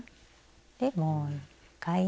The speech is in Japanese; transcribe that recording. でもう１回。